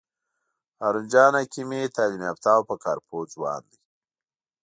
هارون جان حکیمي تعلیم یافته او په کار پوه ځوان دی.